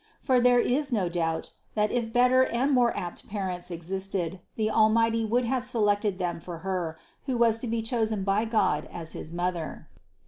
For there is no doubt that if better and more apt parents existed, the Almighty would have selected them for Her, who was to be chosen by God as his Mother.